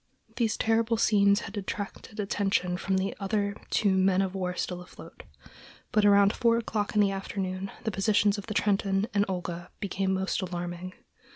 These terrible scenes had detracted attention from the other two men of war still afloat; but about four o'clock in the afternoon the positions of the Trenton and Olga became most alarming.